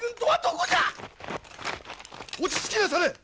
落ち着きなされ！